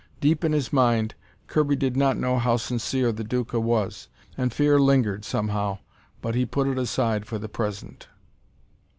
Deep in his mind, Kirby did not know how sincere the Duca was, and fear lingered, somehow, but he put it aside for the present.